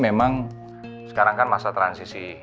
memang sekarang kan masa transisi